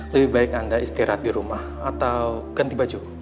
lebih baik anda istirahat di rumah atau ganti baju